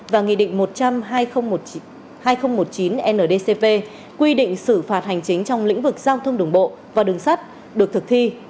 và nghị định một trăm hai mươi chín ndcp quy định xử phạt hành chính trong lĩnh vực giao thông đường bộ và đường sắt được thực thi